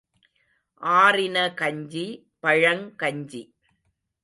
ஆறின கஞ்சி பழங்கஞ்சி.